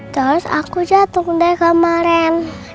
lalu aku jatuh dari kamar rena